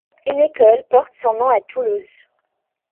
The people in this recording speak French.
Une école porte son nom à Toulouse.